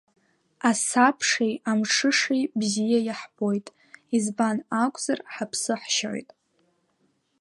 Асабшеи Амҽышеи бзиа иаҳбоит, избан акәзар ҳаԥсы ҳшьоит.